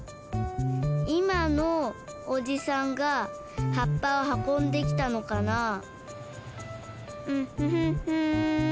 いまのおじさんが葉っぱをはこんできたのかな？